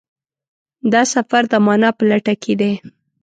دا سفر د مانا په لټه کې دی.